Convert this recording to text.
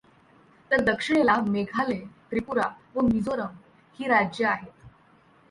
तर दक्षिणेला मेघालय, त्रिपूरा व मिझोरम ही राज्य आहेत.